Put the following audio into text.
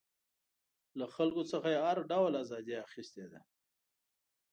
له خلکو څخه یې هر ډول ازادي اخیستې ده.